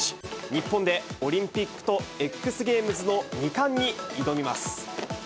日本でオリンピックとＸＧａｍｅｓの２冠に挑みます。